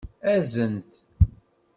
Azen-t!